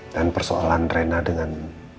dan persoalan rena dengan